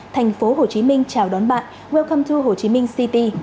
thành phố hồ chí minh chào đón bạn welcome to hồ chí minh city